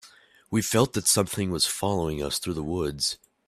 We felt that something was following us through the woods.